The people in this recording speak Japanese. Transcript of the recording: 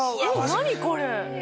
何⁉これ。